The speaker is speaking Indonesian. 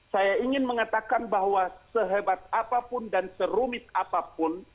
saya ingin mengatakan bahwa sehebat apapun dan serumit apapun